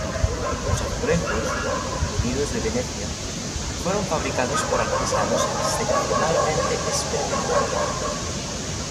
Los azulejos, venidos de Venecia, fueron fabricados por artesanos excepcionalmente experimentados.